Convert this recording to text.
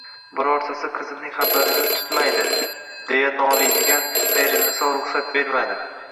Birortasi qizimning xabarini tutmaydi, deya noliydigan Xayriniso ruxsat bermadi